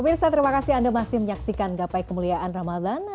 pemirsa terima kasih anda masih menyaksikan gapai kemuliaan ramadan